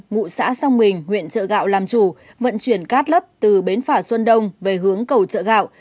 ngụ xã sông bình huyện trợ gạo làm chủ vận chuyển cát lấp từ bến phả xuân đông về hướng cầu trợ gạo